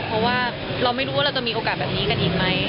เพราะว่าเราไม่รู้ว่าเราจะมีโอกาสแบบนี้กันอีกไหม